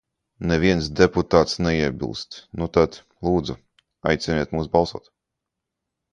Neviens deputāts neiebilst, nu tad, lūdzu, aiciniet mūs balsot!